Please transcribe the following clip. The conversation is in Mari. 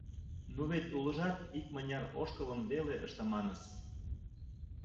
Ну, вет улыжат икмыняр ошкылым веле ыштыманыс...